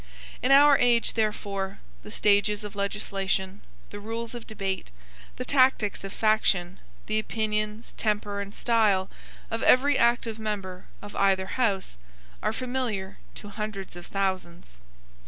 In our age, therefore, the stages of legislation, the rules of debate, the tactics of faction, the opinions, temper, and style of every active member of either House, are familiar to hundreds of thousands.